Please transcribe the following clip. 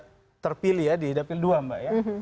apalagi sudah terpilih ya di dapil dua mbak ya